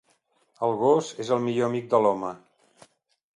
El gos és el millor amic de l'home.